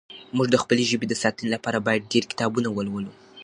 موږ د خپلې ژبې د ساتنې لپاره باید ډېر کتابونه ولولو.